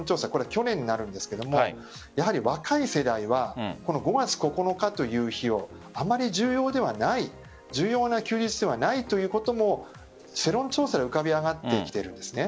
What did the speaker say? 去年になるんですが若い世代はこの５月９日という日をあまり重要な休日ではないということも世論調査で浮かび上がってきているんです。